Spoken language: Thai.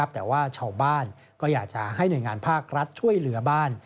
แต่ว่าชาวบ้านก็อยากจะให้หน่วยงานภาครัฐช่วยเหลือบ้าน